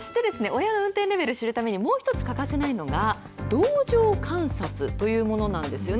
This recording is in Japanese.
親の運転レベル知るためにもう１つ、欠かせないのが同乗観察というものなんですよね。